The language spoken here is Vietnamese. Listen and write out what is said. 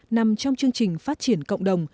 nằm trong chương trình phát triển cộng đồng